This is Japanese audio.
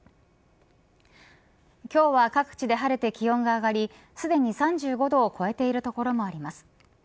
今日は各地で晴れて気温が上がりすでに３５度を超えている所もあります。